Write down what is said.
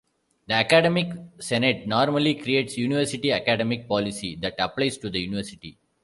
The academic senate normally creates university academic policy that applies to the university.